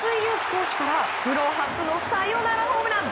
投手からプロ初のサヨナラホームラン。